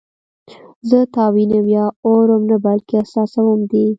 زه تا وینم یا اورم نه بلکې احساسوم دې